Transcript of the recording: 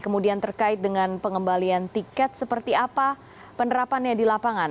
kemudian terkait dengan pengembalian tiket seperti apa penerapannya di lapangan